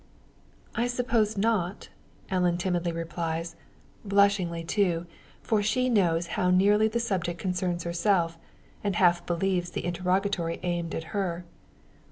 "I suppose not," Ellen timidly replies; blushingly too, for she knows how nearly the subject concerns herself, and half believes the interrogatory aimed at her.